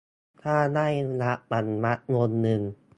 ถ้าได้รับอนุมัติวงเงิน